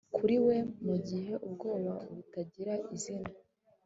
Kuri we mugihe ubwoba butagira izina